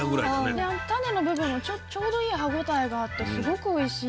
で種の部分もちょうどいい歯応えがあってすごくおいしい。